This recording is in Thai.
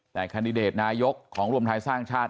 แต่แคนดิเดตนายกของรวมไทยสร้างชาติ